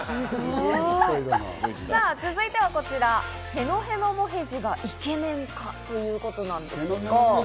続いてはこちら。へのへのもへじがイケメン化ということなんですが。